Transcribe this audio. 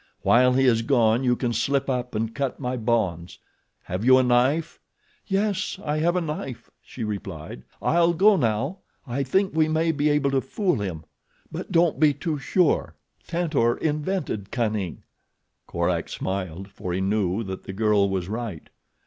While he is gone you can slip up and cut my bonds—have you a knife?" "Yes, I have a knife," she replied. "I'll go now—I think we may be able to fool him; but don't be too sure—Tantor invented cunning." Korak smiled, for he knew that the girl was right.